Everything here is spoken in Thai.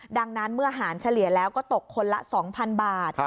ดังนั้นเมื่อหารเฉลี่ยแล้วก็ตกคนละ๒๐๐๐บาท